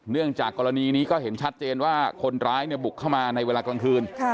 จากกรณีนี้ก็เห็นชัดเจนว่าคนร้ายบุกเข้ามาในเวลากลางคืน